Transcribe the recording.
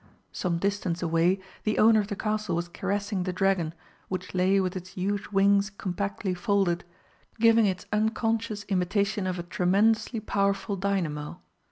Some distance away the owner of the Castle was caressing the dragon, which lay with its huge wings compactly folded, giving its unconscious imitation of a tremendously powerful dynamo.